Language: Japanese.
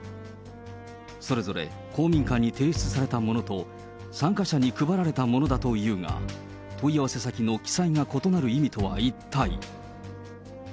それぞれ公民館に提出されたものと、参加者に配られたものだというが、問い合わせ先の記載が異なる意味とは一体。